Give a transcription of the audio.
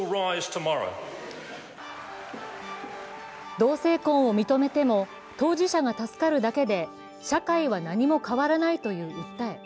同性婚を認めても当事者が助かるだけで社会は何も変わらないという訴え。